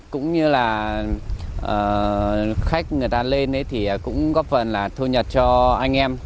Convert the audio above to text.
cũng như là khách người ta lên ấy thì cũng góp phần là thu nhật cho anh em